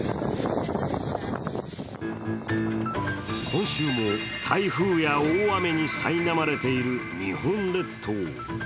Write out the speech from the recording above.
今週も台風や大雨にさいなまれている日本列島。